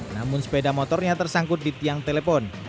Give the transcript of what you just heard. namun sepeda motornya tersangkut di tiang telepon